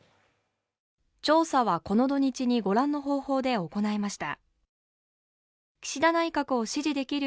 調査はこの土日にご覧の方法で行いました。